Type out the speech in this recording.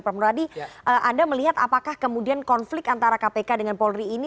pak muradi anda melihat apakah kemudian konflik antara kpk dengan polri ini